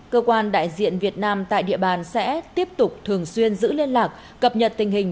cơ quan đại diện việt nam tại địa bàn sẽ tiếp tục thường xuyên giữ liên lạc cập nhật tình hình